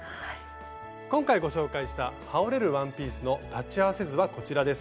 今回ご紹介したはおれるワンピースの裁ち合わせ図はこちらです。